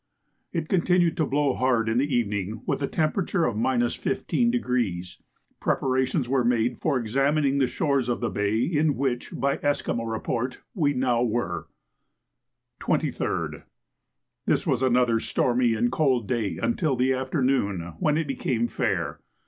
It continued to blow hard in the evening with a temperature of 15°. Preparations were made for examining the shores of the bay in which, by Esquimaux report, we now were. 23d. This was another stormy and cold day until the afternoon, when it became fair.